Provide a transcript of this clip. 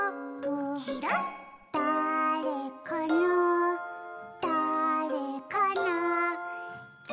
「だぁれかなだぁれかな」